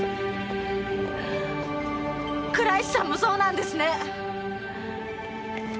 倉石さんもそうなんですね？